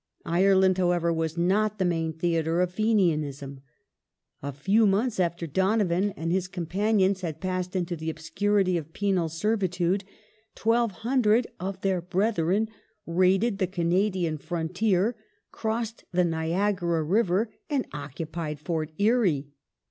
Ireland, however, was not the main theatre of Fenianism. A Fenianism few months after Donovan and his companions had passed into the '"^^"^^^; obscurity of penal servitude, 1,200 of their brethren raided the Canadian frontier, crossed the Niagara River and occupied Fort Erie.